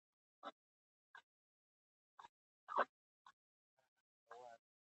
که ایرانیان مقاومت ونه کړي، نو ښار به ژر نیول شي.